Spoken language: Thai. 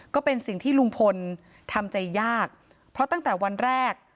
ก็เป็นสิ่งที่ลุงพลทำใจยากเพราะตั้งแต่วันแรก